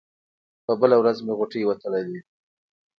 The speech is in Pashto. په بله ورځ مې غوټې وتړلې.